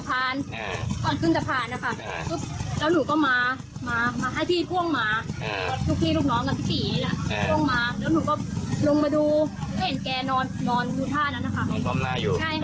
แกก็จะเดินกลับบ้านเองหนูคิดแบบนี้เนี่ยหนูก็ไปหนูก็กลับบ้าน